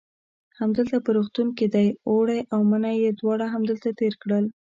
همدلته په روغتون کې دی، اوړی او منی یې دواړه همدلته تېر کړل.